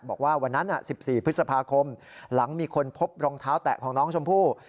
บอกว่าวันนั้น๑๔พฤษภาคมหลังมีคนพบรองเท้าแตะของน้องชมพู่